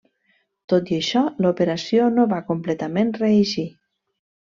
Tot i això, l'operació no va completament reeixir.